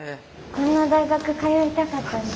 こんな大学通いたかったです。